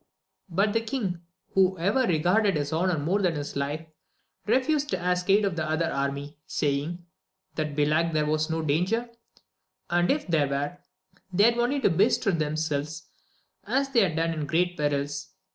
But the king, who ever regarded his honour more than his life, refused to ask aid of the other army, saying. That belike there was no danger, and if there were, they had only to bestir themselves as they had done in greater perils.